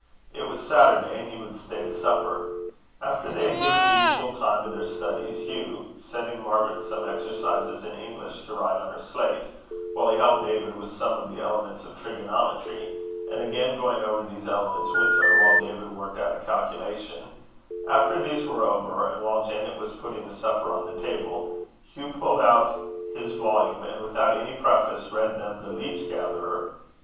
It was Saturday, and he would stay to supper. After they had given the usual time to their studies, Hugh, setting Margaret some exercises in English to write on her slate, while he helped David with some of the elements of Trigonometry, and again going over those elements with her, while David worked out a calculation after these were over, and while Janet was putting the supper on the table, Hugh pulled out his volume, and, without any preface, read them the Leech Gatherer.